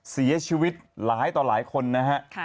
เสียชีวิตหลายต่อหลายคนนะฮะ